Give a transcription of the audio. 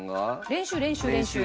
練習練習練習。